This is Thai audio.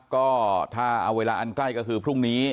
ก็ถ้าเอาเวลาอันใกล้ก็คือพรุ่งนี้